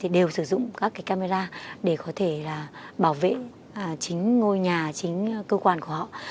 đều sử dụng các camera để có thể bảo vệ chính ngôi nhà chính cơ quan của họ